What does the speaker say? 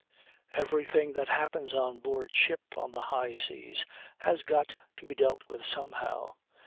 Everything that happens on board ship on the high seas has got to be dealt with somehow.